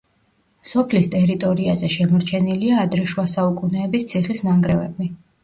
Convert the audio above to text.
სოფლის ტერიტორიაზე შემორჩენილია ადრე შუასაუკუნეების ციხის ნანგრევები.